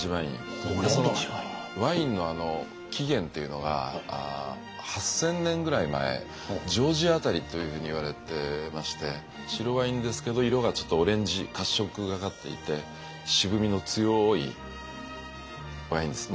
ワインの起源っていうのが８，０００年ぐらい前ジョージア辺りというふうにいわれてまして白ワインですけど色がちょっとオレンジ褐色がかっていて渋味の強いワインです。